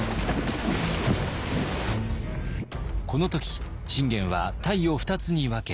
この時信玄は隊を２つに分け